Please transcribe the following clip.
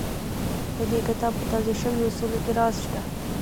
د دې کتاب په توضيح شويو اصولو کې راز شته.